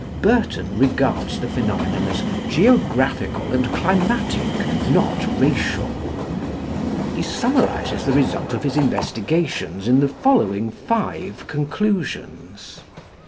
Burton regards the phenomenon as "geographical and climatic, not racial." He summarises the result of his investigations in the following five conclusions.